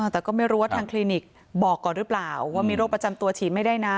แต่ก็ไม่รู้ว่าทางคลินิกบอกก่อนหรือเปล่าว่ามีโรคประจำตัวฉีดไม่ได้นะ